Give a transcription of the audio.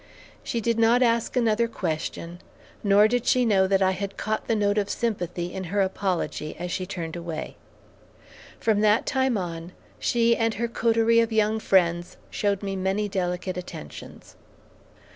She did not ask another question, nor did she know that I had caught the note of sympathy in her apology as she turned away. From that time on, she and her coterie of young friends showed me many delicate attentions.